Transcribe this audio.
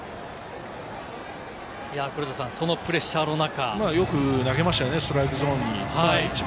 黒田さん、そのプレッシャーの中。